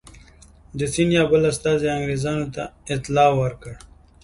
د سیندیا بل استازي انګرېزانو ته اطلاع ورکړه.